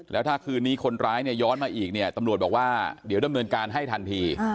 แล้วถ้าคืนนี้คนร้ายเนี่ยย้อนมาอีกเนี่ยตำรวจบอกว่าเดี๋ยวดำเนินการให้ทันที